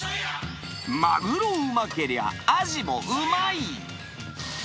マグロうまけりゃ、アジもうまい。